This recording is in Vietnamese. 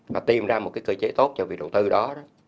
và tìm ra một cái cơ chế tốt cho việc đầu tư đó